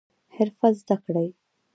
حرفه زده کړئ